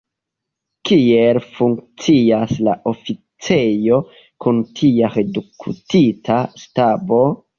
Kiel funkcias la oficejo kun tia reduktita stabo?